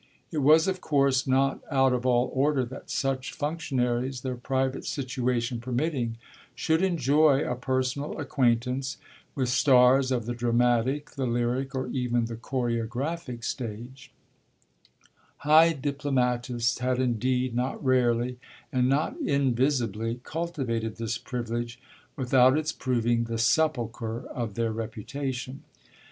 It was of course not out of all order that such functionaries, their private situation permitting, should enjoy a personal acquaintance with stars of the dramatic, the lyric, or even the choregraphic stage: high diplomatists had indeed not rarely, and not invisibly, cultivated this privilege without its proving the sepulchre of their reputation.